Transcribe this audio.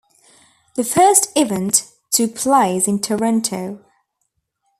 The first event took place in Toronto.